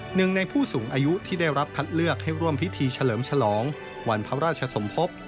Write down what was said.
หนึ่งในผู้สูงอายุที่ได้รับคัดเลือกให้ร่วมพิธีเฉลิมฉลองวันพระราชสมภพ